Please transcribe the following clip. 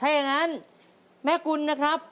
ถ้าอย่างนั้นแม่กุลนะครับ